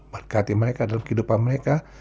berkati mereka dalam kehidupan mereka